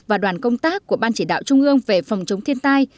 và đoàn công tác của ban chỉ đạo trung ương về phòng chống thiên tai